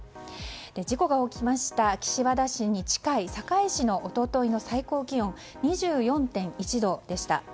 事故が起きました岸和田市に近い堺市の一昨日の最高気温２４．１度でした。